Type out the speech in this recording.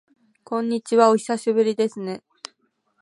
こんにちは、お久しぶりですね。